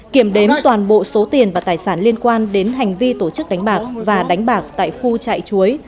kiểm đếm toàn bộ số tiền và tài sản liên quan đến hành vi tổ chức đánh bạc và đánh bạc tại khu trại chuối